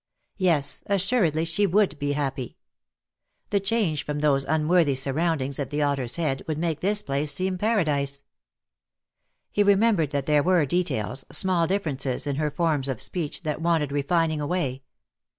Yes, assuredly she would be happy. The change from those unworthy surroundings at the "Otter's Head" would make this place seem paradise. He remembered that there were details, small differences, in her forms of speech, that wanted re fining away.